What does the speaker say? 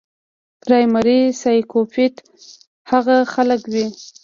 پرايمري سايکوپېت هغه خلک وي